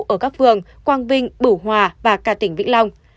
ở các phường quang vinh bửu hòa và cả tỉnh vĩnh long